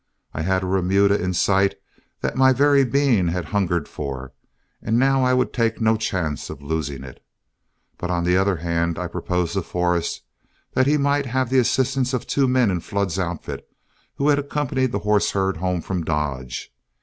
I had a remuda in sight that my very being had hungered for, and now I would take no chance of losing it. But on the other hand, I proposed to Forrest that he might have the assistance of two men in Flood's outfit who had accompanied the horse herd home from Dodge.